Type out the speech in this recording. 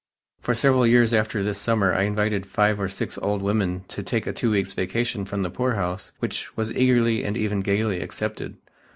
For several years after this summer I invited five or six old women to take a two weeks' vacation from the poorhouse which was eagerly and even gayly accepted.